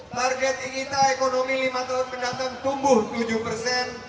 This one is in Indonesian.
target kita ekonomi lima tahun mendatang tumbuh tujuh persen